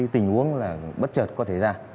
tình huống bất chợt có thể ra